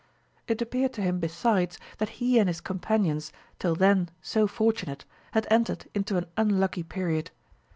It appeared to him besides, that he and his companions, till then so fortunate, had entered into an unlucky period.